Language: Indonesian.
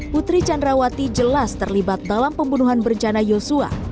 putri candrawati jelas terlibat dalam pembunuhan berencana yosua